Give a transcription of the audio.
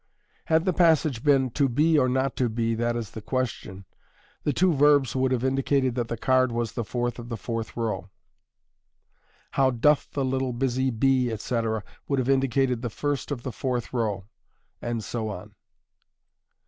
Had the passage been " To be, or not to be, that is the question/' the two verbs would have indicated that the card was the fourth of the fourth row. How doth the little busy bee," etc., would have indicated the first of tne fourth row, and so on.